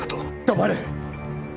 黙れ！